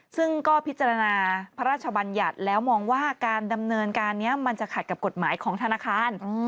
ซึ่งก็พิจารณาพระราชบัญญัติแล้วมองว่าการดำเนินการนี้มันจะขัดกับกฎหมายของธนาคาร